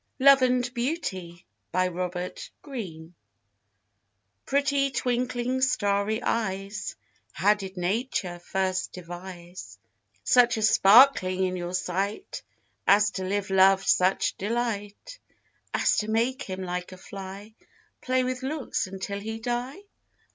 Robert Greene. LOVE AND BEAUTY. Pretty twinkling starry eyes, How did Nature first devise Such a sparkling in your sight As to give Love such delight, As to make him like a fly, Play with looks until he die?